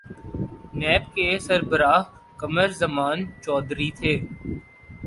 NAB کے سربراہ قمر زمان چوہدری تھے۔